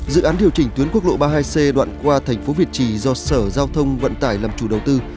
dự án điều chỉnh tuyến quốc lộ ba mươi hai c đoạn qua thành phố việt trì do sở giao thông vận tải làm chủ đầu tư